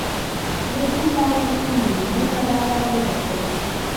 له دې لارې يې ميليونونه ډالر وګټل.